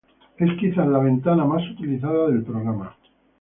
Es quizás la ventana más utilizada del programa.